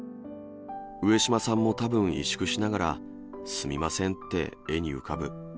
上島さんもたぶん萎縮しながら、すみませんって、絵に浮かぶ。